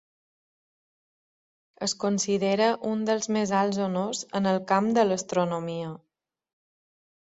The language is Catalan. Es considera un dels més alts honors en el camp de l'astronomia.